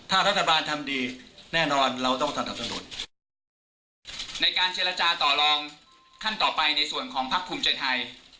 ถ้ารัฐบาลทำดีแน่นอนเราต้องสนับสนุนในการเจรจาต่อลองขั้นต่อไปในส่วนของพักภูมิใจไทย